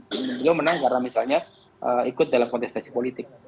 beliau menang karena misalnya ikut dalam kontestasi politik